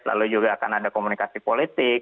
lalu juga akan ada komunikasi politik